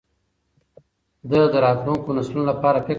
ده د راتلونکو نسلونو لپاره فکر کاوه.